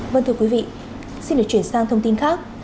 vâng thưa quý vị xin được chuyển sang thông tin khác